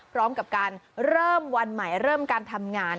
พร้อมกับการเริ่มวันใหม่เริ่มการทำงาน